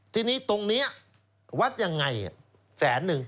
ทีนี้ตรงนี้วัดยังไงแสนนึง